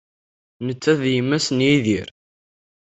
Nettat d yemma-s n tidet.